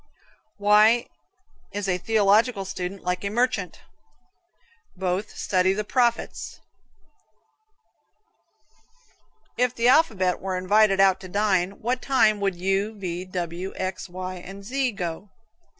Why is a theological student like a merchant? Both study the Prophets (profits). If the alphabet were invited out to dine what time would U, V, W, X, Y and Z go?